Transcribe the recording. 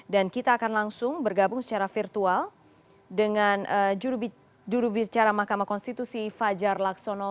dan kita akan langsung bergabung secara virtual dengan jurubicara makamah konstitusi fajar laksono